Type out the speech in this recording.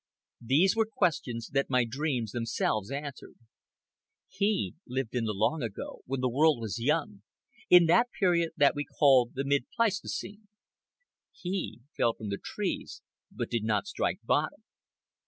These were questions that my dreams themselves answered. He lived in the long ago, when the world was young, in that period that we call the Mid Pleistocene. He fell from the trees but did not strike bottom.